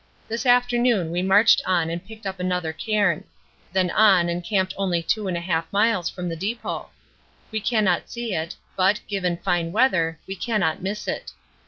This afternoon we marched on and picked up another cairn; then on and camped only 2 1/2 miles from the depot. We cannot see it, but, given fine weather, we cannot miss it.